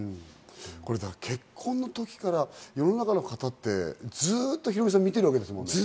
結婚の時から世の中の方って、ずっとヒロミさん、見てるわけですもんね。